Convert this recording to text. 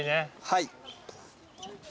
はい。